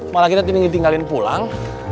malah kita tinggal pulang